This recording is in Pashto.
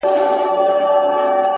• زه چی پلار وم قصابی لره روزلی ,